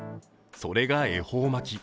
それが恵方巻き。